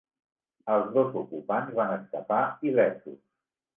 Els dos ocupants van escapar il·lesos.